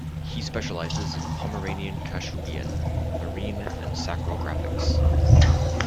He specializes in Pomeranian-Kashubian, marine and sacral graphics.